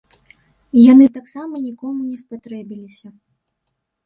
Яны таксама нікому не спатрэбіліся.